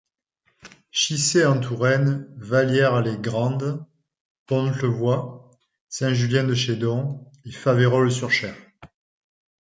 Chissay-en-Touraine, Vallières-les-Grandes, Pontlevoy, Saint-Julien-de-Chédon et Faverolles-sur-Cher.